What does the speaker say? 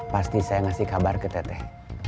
pasti saya ngasih kabar ke teteh